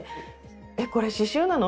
えっこれ刺しゅうなの？